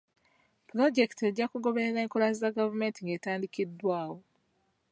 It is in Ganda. Pulojekiti ejja kugoberera enkola za gavumenti ng'etandikiddwawo.